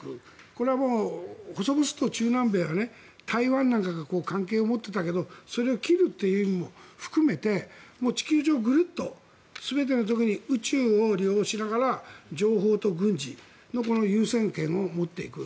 これは細々と中南米や台湾なんかが関係を持っていたけどそれを切るという意味も含めて地球上、ぐるっと全ての時に宇宙を利用しながら情報と軍事の優先権を取っていく。